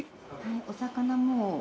お魚も。